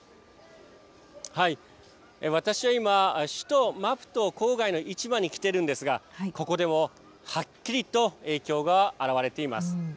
私は今首都マプト郊外の市場に来ているんですがここでも、はっきりと影響が表れています。